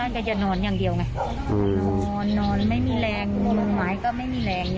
จะเดินไม่ค่อยได้ก็จะนอนอย่างเดียวไง